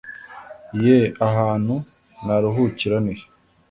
ye ahantu naruhukira ni he